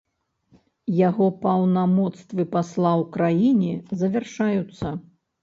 Яго паўнамоцтвы пасла ў краіне завяршаюцца.